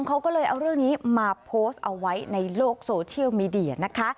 เขาก็เลยเอาเรื่องนี้มาโพสต์เอาไว้ในโลกโซเชียลมีเดียนะคะ